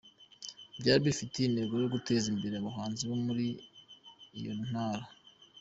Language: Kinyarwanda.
Byari bifite intego yo guteza imbere abahanzi bo muri iyo Ntara.